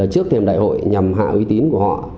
trước thêm đại hội nhằm hạ uy tín của họ